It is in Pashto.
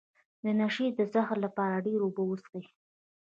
د نشې د زهرو لپاره ډیرې اوبه وڅښئ